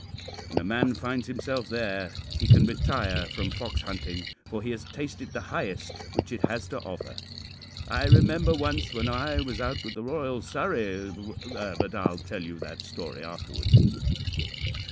When a man finds himself there, he can retire from fox hunting, for he has tasted the highest which it has to offer. I remember once when I was out with the Royal Surrey but I'll tell you that story afterwards.